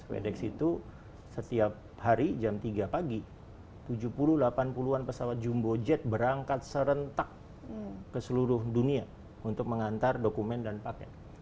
wedex itu setiap hari jam tiga pagi tujuh puluh delapan puluh an pesawat jumbo jet berangkat serentak ke seluruh dunia untuk mengantar dokumen dan paket